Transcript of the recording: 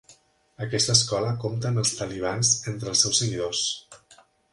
Aquesta escola compta amb els talibans entre els seus seguidors.